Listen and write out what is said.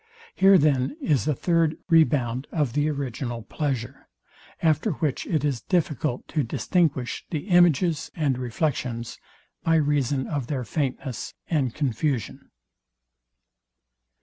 Here then is a third rebound of the original pleasure; after which it is difficult to distinguish the images and reflexions, by reason of their faintness and confusion.